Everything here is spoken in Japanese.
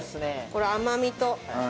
これ甘みと。